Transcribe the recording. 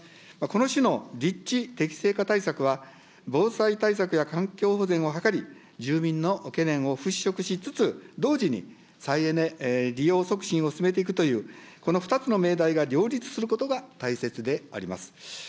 この種の立地適正化対策は、防災対策や環境保全を図り、住民の懸念を払拭しつつ、同時に再エネ利用促進を進めていくという、この２つの命題が両立することが大切であります。